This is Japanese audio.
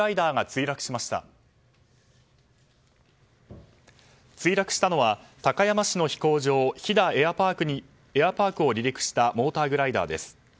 墜落したのは、高山市の飛行場飛騨エアパークを離陸したモーターグライダーです。